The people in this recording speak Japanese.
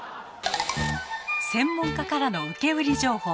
専門家からの受け売り情報。